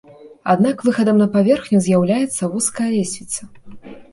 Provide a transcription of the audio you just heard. Аднак выхадам на паверхню з'яўляецца вузкая лесвіца.